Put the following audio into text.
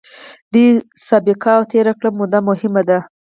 دوی سابقه او تېره کړې موده مهمه ده.